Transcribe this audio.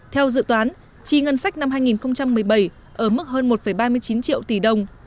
theo dự toán chi ngân sách năm hai nghìn một mươi bảy ở mức hơn một ba mươi chín triệu tỷ đồng